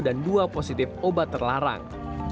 dua positif obat terlarang